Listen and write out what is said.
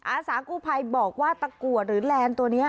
อาสากุภัยบอกว่าตะกวดหรือแหลนตัวนี้